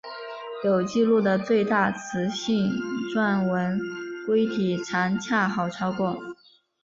有纪录的最大雌性钻纹龟体长恰好超过。